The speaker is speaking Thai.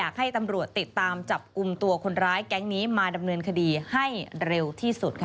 กลุ่มตัวคนร้ายแก๊งนี้มาดำเนินคดีให้เร็วที่สุด